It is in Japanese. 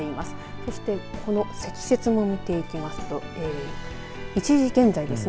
そして積雪も見ていきますと１時現在ですね